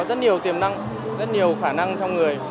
rất nhiều tiềm năng rất nhiều khả năng trong người